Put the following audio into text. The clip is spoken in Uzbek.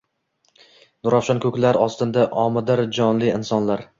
Nurafshon koʻklar ostinda omidir jonli insonlar